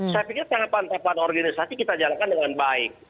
saya pikir tempat tempat organisasi kita jalankan dengan baik